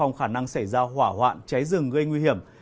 và người dân cơ đề phòng khả năng xảy ra hỏa hoạn cháy rừng gây nguy hiểm